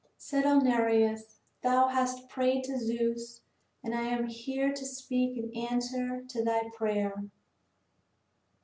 Said old Nereus: "Thou hast prayed to Zeus, and I am here to speak an answer to thy prayer.